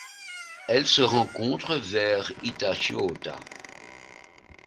Elle se rencontre vers Hitachiōta.